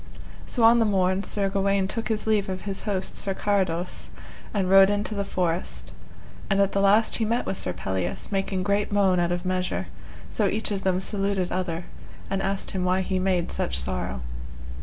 So on the morn Sir Gawaine took his leave of his host Sir Carados, and rode into the forest; and at the last he met with Sir Pelleas, making great moan out of measure, so each of them saluted other, and asked him why he made such sorrow.